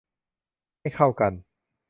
ให้เข้ากัน